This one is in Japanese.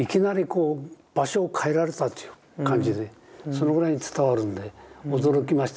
そのぐらい伝わるんで驚きました。